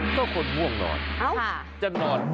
ก็ผ่วงห้องนอน